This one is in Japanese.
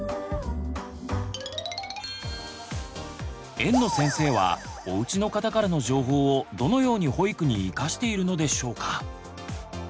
園の先生はおうちの方からの情報をどのように保育にいかしているのでしょうか？